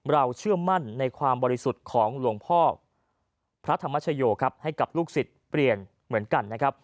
เชื่อมั่นในความบริสุทธิ์ของหลวงพ่อพระธรรมชโยครับให้กับลูกศิษย์เปลี่ยนเหมือนกันนะครับ